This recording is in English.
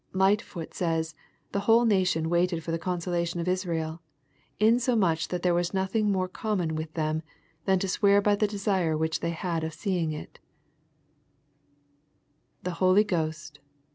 Lightfoot says, " the whole nation waited for the consolation of Israel ; insomuch that there was nothing more com mon with them, than to swear .by the desire which they had of seeing it" [The Holy Ghost..